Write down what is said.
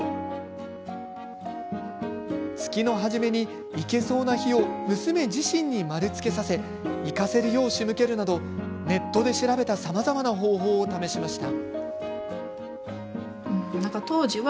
月の初めに、行けそうな日を娘自身に丸つけさせ行かせるよう、しむけるなどネットで調べたさまざまな方法を試しました。